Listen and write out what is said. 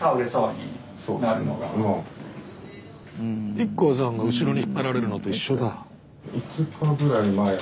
ＩＫＫＯさんが後ろに引っ張られるのと一緒だ。